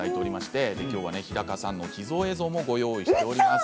今日は日高さんの秘蔵映像もご用意しています。